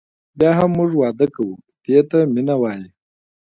بیا هم موږ واده کوو دې ته مینه وایي.